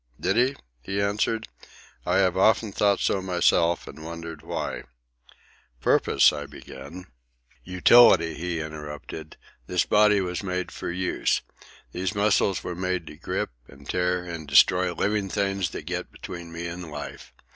"Did he?" he answered. "I have often thought so myself, and wondered why." "Purpose—" I began. "Utility," he interrupted. "This body was made for use. These muscles were made to grip, and tear, and destroy living things that get between me and life.